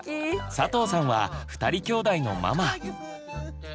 佐藤さんは２人きょうだいのママ。